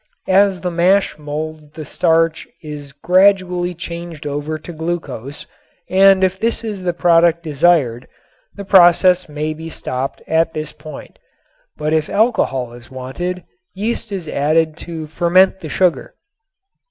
As the mash molds the starch is gradually changed over to glucose and if this is the product desired the process may be stopped at this point. But if alcohol is wanted yeast is added to ferment the sugar.